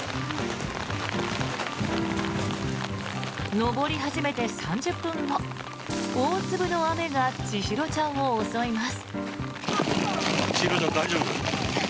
登り始めて３０分後大粒の雨が千尋ちゃんを襲います。